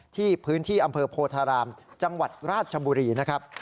ที่พื้นที่อำเภอโพธารามจังหวัดราชบุรีนะครับ